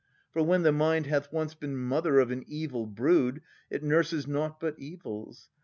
For when the mind Hath once been mother of an evil brood. It nurses nought but evils.